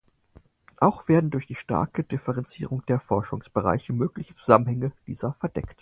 Auch werden durch die starke Differenzierung der Forschungsbereiche mögliche Zusammenhänge dieser verdeckt.